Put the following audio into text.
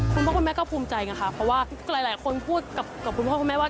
คุณพ่อคุณแม่ก็ภูมิใจไงค่ะเพราะว่าหลายคนพูดกับคุณพ่อคุณแม่ว่า